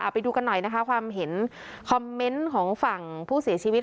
ไปดูกันหน่อยนะคะความเห็นคอมเมนต์ของฝั่งผู้เสียชีวิต